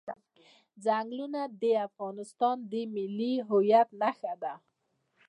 ځنګلونه د افغانستان د ملي هویت نښه ده.